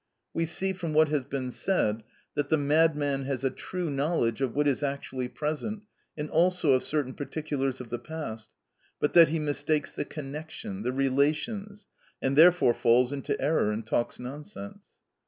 We see, from what has been said, that the madman has a true knowledge of what is actually present, and also of certain particulars of the past, but that he mistakes the connection, the relations, and therefore falls into error and talks nonsense.